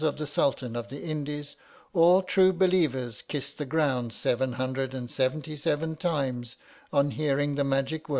[ConJuctedby of the Sultan of the Indies, all true be lievers kiss the ground seven hundred and seventy seven times on hearing the magic \\..